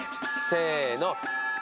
せの。